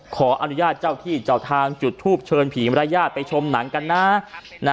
ขออนุญาตเจ้าที่เจ้าทางจุดทูปเชิญผีมรยาทไปชมหนังกันนะ